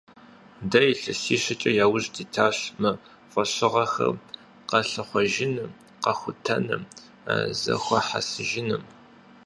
Дэ илъэсищкӀэ яужь дитащ мы фӀэщыгъэхэр къэлъыхъуэжыным, къэхутэным, зэхуэхьэсыжыным.